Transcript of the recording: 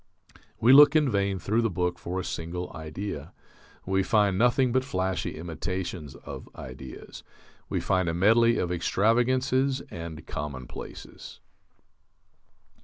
We look in vain through the book for a single idea. We find nothing but flashy imitations of ideas. We find a medley of extravagances and commonplaces.